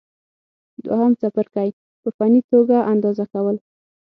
دوهم څپرکی: په فني توګه اندازه کول